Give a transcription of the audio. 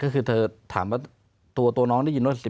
ก็คือเธอถามว่าตัวน้องได้ยินว่า